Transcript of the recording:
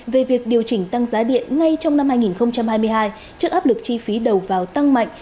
về việc điều chỉnh tăng giá điện ngay trong năm hai nghìn hai mươi hai trước áp lực chi phí đầu vào tăng mạnh